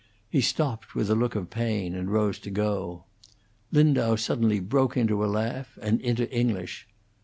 He stopped with a look of pain, and rose to go. Lindau suddenly broke into a laugh and into English.